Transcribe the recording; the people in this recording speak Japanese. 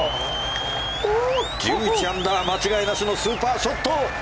１１アンダー間違いなしのスーパーショット。